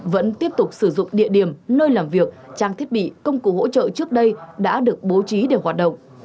vẫn tiếp tục sử dụng địa điểm nơi làm việc trang thiết bị công cụ hỗ trợ trước đây đã được bố trí để hoạt động